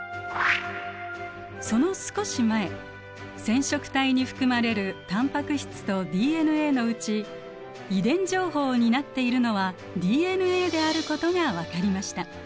その少し前染色体に含まれるタンパク質とＤＮＡのうち遺伝情報を担っているのはＤＮＡであることが分かりました。